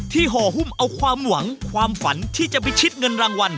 ห่อหุ้มเอาความหวังความฝันที่จะพิชิตเงินรางวัล